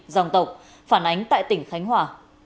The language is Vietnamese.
dòng tộc phản ánh tại tỉnh khánh hòa